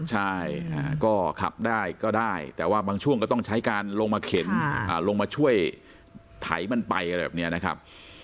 ใช่ก็ขับได้ก็ได้แต่ว่าบางช่วงก็ต้องใช้การลงมาเข็นลงมาช่วยไถมันไปอะไรแบบนี้นะครับ